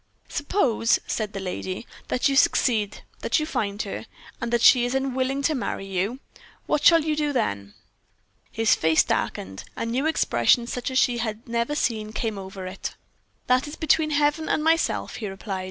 "Suppose," said the lady, "that you succeed, that you find her, and that she is unwilling to marry you what shall you do then?" His face darkened a new expression such as she had never seen came over it. "That is between Heaven and myself," he replied.